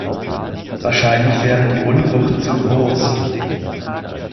Wahrscheinlich wäre die Unwucht zu groß.